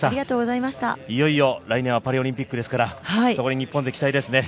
いよいよ来年はパリオリンピックですから日本勢、期待ですね。